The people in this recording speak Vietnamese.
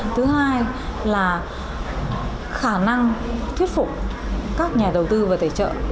thứ hai là khả năng thuyết phục các nhà đầu tư và tài trợ